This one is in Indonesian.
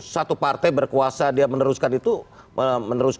satu partai berkuasa dia meneruskan itu